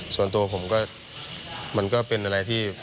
ส่วนตัวผมก็เป็นอะไรที่